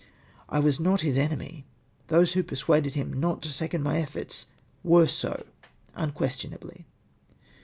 I was not his enemy. Those who persuaded him not to second my efforts were so unquestionably.